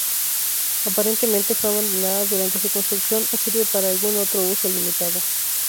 Aparentemente fue abandonada durante su construcción o sirve para algún otro uso limitado.